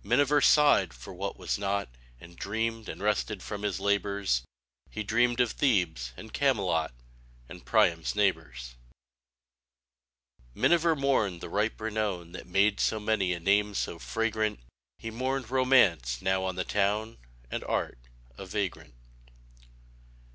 [97| Miniver sighed for what was not, And dreamed, and rested from his labors; He dreamed of Thebes and Camelot, And Priam's neighbors. Miniver mourned the ripe renown That made so many a name so fragrant; He mourned Romance, now on the town, And Art, a vagrant.